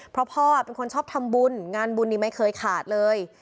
เพราะพ่อเป็นคนชอบทำบุญงานบุญนี้ไม่เคยขาดเลย